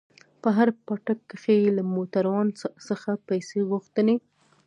په هر پاټک کښې يې له موټروان څخه پيسې غوښتې.